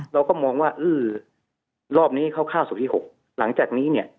เราก็มองว่ารอบนี้เขาฆ่าสู่ที่๖หลังจากนี้เนี่ย